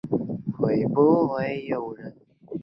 圣马丁利。